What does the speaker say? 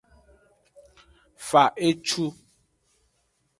Fa ecu.